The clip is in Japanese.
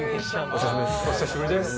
お久しぶりです。